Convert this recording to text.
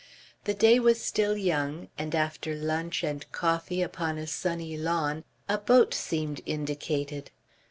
The day was still young, and after lunch and coffee upon a sunny lawn a boat seemed indicated.